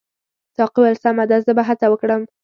ساقي وویل سمه ده زه به هڅه وکړم.